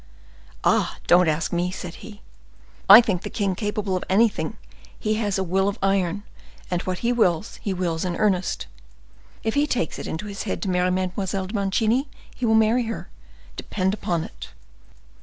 'Ah! don't ask me,' said he; 'I think the king capable of anything; he has a will of iron, and what he wills he wills in earnest. If he takes it into his head to marry Mademoiselle de Mancini, he will marry her, depend upon it.